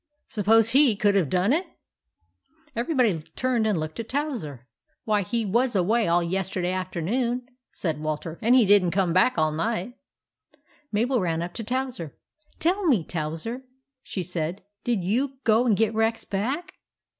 Suppose he could have done it ?" Everybody turned and looked at Towser. 66 THE ADVENTURES OF MABEL " Why, he was away all yesterday after noon," said Walter, " and did n't come back all night" Mabel ran up to Towser. " Tell me, Towser," she said, " did you go and get Rex back